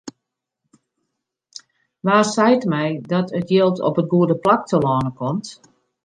Wa seit my dat it jild op it goede plak telâne komt?